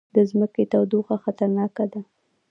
د ځمکې تودوخه خطرناکه ده